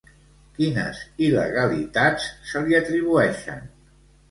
Quines il·legalitats se li atribueixen?